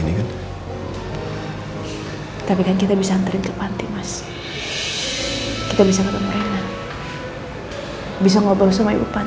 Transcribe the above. terima kasih untuk selalu ada buat saya